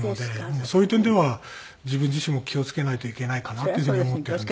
そういう点では自分自身も気を付けないといけないかなっていう風に思ってるんですけど。